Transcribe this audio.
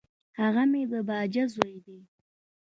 هغه مي د باجه زوی دی .